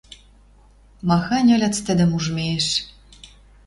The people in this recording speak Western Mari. Махань ыльыц тӹдӹм ужмеш.